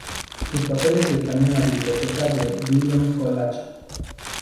Sus papeles están en la biblioteca del Balliol College.